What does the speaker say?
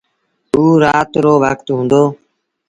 اوٚ رآت رو وکت هُݩدو۔